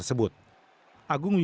tidak ada yang dianggap